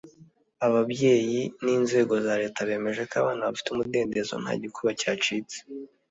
Ababyeyi n’inzego za Leta bemeje ko abana bafite umudendezo nta gikuba cyacitse